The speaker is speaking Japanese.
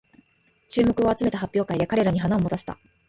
注目を集めた発表会で彼らに花を持たせた